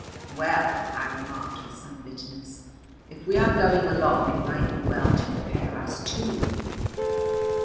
"Well," I remarked with some bitterness, "if we are going along it might be well to prepare us too."